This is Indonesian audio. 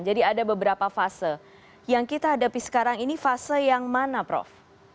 jadi ada beberapa fase yang kita hadapi sekarang ini fase yang mana prof